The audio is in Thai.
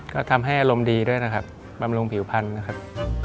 ก็ทำให้อารมณ์ดีด้วยนะครับบำรุงผิวพันธุ์นะครับ